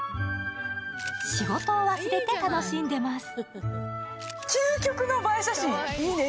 仕事を忘れて楽しんでます。